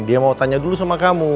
dia mau tanya dulu sama kamu